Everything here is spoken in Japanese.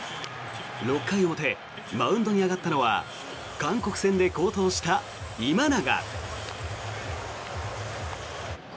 ６回表、マウンドに上がったのは韓国戦で好投した今永。